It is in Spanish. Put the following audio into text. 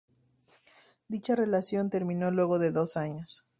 Dicha relación terminó luego de dos años.